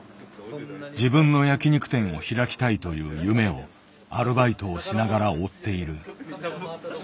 自分の焼き肉店を開きたいという夢をアルバイトをしながら追っている。